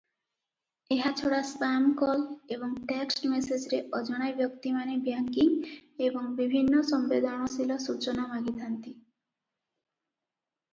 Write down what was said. ଏହା ଛଡ଼ା ସ୍ପାମ କଲ ଏବଂ ଟେକ୍ସଟ ମେସେଜରେ ଅଜଣା ବ୍ୟକ୍ତିମାନେ ବ୍ୟାଙ୍କିଙ୍ଗ ଏବଂ ବିଭିନ୍ନ ସମ୍ବେଦନଶୀଳ ସୂଚନା ମାଗିଥାନ୍ତି ।